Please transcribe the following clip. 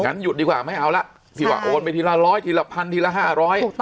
หยุดดีกว่าไม่เอาละที่ว่าโอนไปทีละร้อยทีละพันทีละห้าร้อย